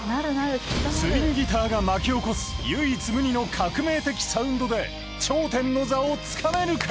ツインギターが巻き起こす唯一無二の革命的サウンドで頂点の座を掴めるか！？